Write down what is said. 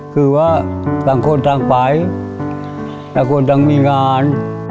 คือว่าต่างคนต่างไปต่างคนต่างมีงาน